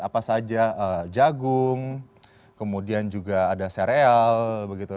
apa saja jagung kemudian juga ada sereal begitu